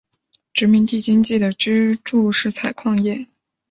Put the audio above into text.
殖民地经济的支柱是采矿业。